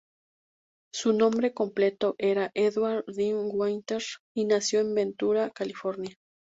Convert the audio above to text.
Su nombre completo era Edward Dean Winter, y nació en Ventura, California.